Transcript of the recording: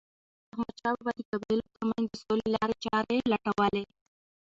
احمدشاه بابا د قبایلو ترمنځ د سولې لارې چارې لټولې.